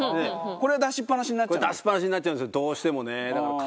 これ出しっぱなしになっちゃうんですどうしてもね。